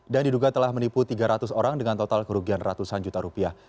diduga telah menipu tiga ratus orang dengan total kerugian ratusan juta rupiah